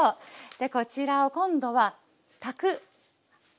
こちらを今度は炊く。